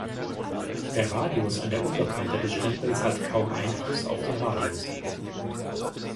Der Radius an der Unterkante des Stempels hat kaum Einfluss auf den Radius.